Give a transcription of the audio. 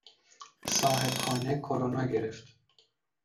صاحب خانه کرونا گرفت